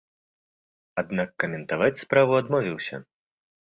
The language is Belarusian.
Аднак каментаваць справу адмовіўся.